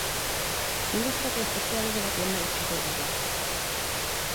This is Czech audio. Může se také specializovat jen na určitou oblast.